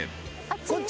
・こっち！